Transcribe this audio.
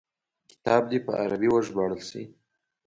کتاب دي په عربي وژباړل شي.